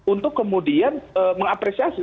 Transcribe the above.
untuk kemudian mengapresiasi